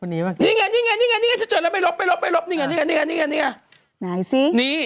นี่ไงนี่ไงจะเจอแล้วไปลบนี่ไง